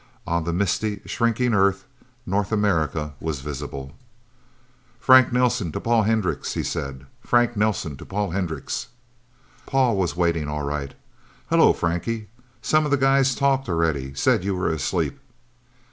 On the misty, shrinking Earth, North America was visible. "Frank Nelsen to Paul Hendricks," he said. "Frank Nelsen to Paul Hendricks..." Paul was waiting, all right. "Hello, Frankie. Some of the guys talked already said you were asleep."